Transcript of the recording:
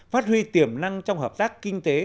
phát huy tiềm năng trong hợp tác kinh tế